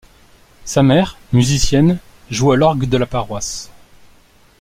Sa mère, musicienne, joue à l'orgue de la paroisse.